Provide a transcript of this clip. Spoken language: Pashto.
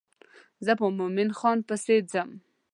زه په مومن خان پسې ځم.